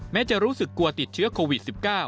จะรู้สึกกลัวติดเชื้อโควิด๑๙